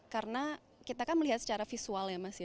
karena kita kan melihat secara visual ya mas ya